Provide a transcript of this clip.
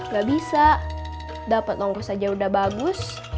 gak bisa dapet ongkos aja udah bagus